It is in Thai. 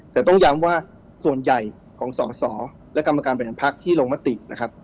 แต่ต้องย้ำว่าส่วนใหญ่ของส่อและกำจัดการบรรยานภาคที่ลงมตินะครับ